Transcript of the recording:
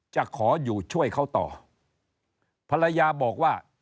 จะขออยู่ช่วยเขาต่อภรรยาบอกว่า